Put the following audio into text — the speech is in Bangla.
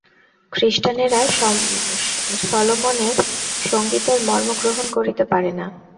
খ্রীষ্টানেরা সলোমনের সঙ্গীতের মর্মগ্রহণ করিতে পারে না।